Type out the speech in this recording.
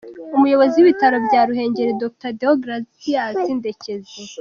Umuyobozi w’ibitaro bya Ruhengeri Dr Deogratias Ndekezi.